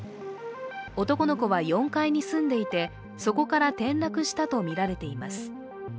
男の子は４階に住んでいて、そこから転落したとみられています。